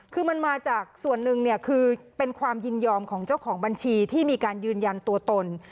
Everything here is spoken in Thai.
คือมันมาจากส่วนหนึ่งเนี่ยคือเป็นความยินยอมของเจ้าของบัญชีที่มีการยืนยันตัวตน